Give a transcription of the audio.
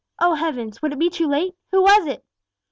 Oh, Heavens! would it be too late? Who was it?